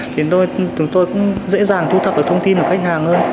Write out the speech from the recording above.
thì chúng tôi cũng dễ dàng thu thập được thông tin của khách hàng hơn